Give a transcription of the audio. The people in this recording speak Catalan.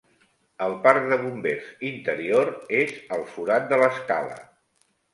El parc de bombers interior és al forat de l'escala.